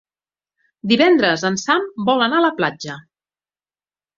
Divendres en Sam vol anar a la platja.